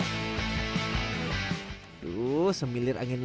aduh semilir angin lama